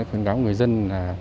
khuyến cáo người dân